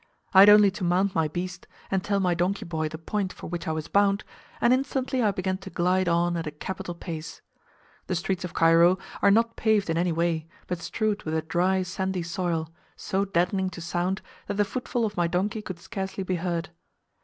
I had only to mount my beast, and tell my donkey boy the point for which I was bound, and instantly I began to glide on at a capital pace. The streets of Cairo are not paved in any way, but strewed with a dry sandy soil, so deadening to sound, that the footfall of my donkey could scarcely be heard.